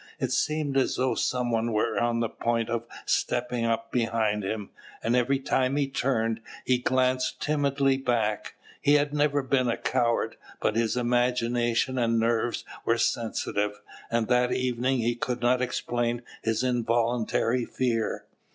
It seemed as though some one were on the point of stepping up behind him; and every time he turned, he glanced timidly back. He had never been a coward; but his imagination and nerves were sensitive, and that evening he could not explain his involuntary fear.